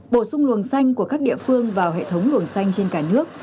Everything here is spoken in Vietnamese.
bổ sung luồng xanh của các địa phương vào hệ thống luồng xanh trên cả nước